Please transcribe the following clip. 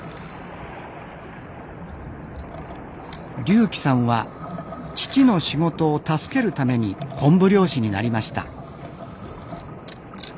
龍希さんは父の仕事を助けるために昆布漁師になりました。